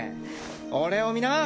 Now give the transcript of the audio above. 俺を見な！